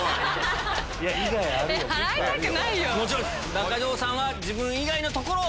中条さんは自分以外の所を。